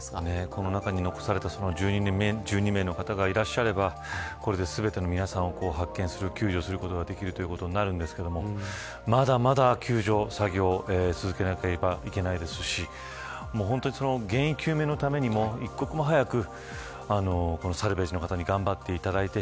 この中に残された１２名の方がいらっしゃればこれで全ての皆さんを発見する救助することができるということになりますがまだまだ救助作業を続けなければいけないですし本当に原因究明のためにも一刻も早く頑張っていただいて